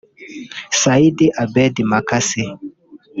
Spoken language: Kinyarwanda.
Saidi Abed Makasi